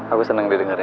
aku seneng didengarnya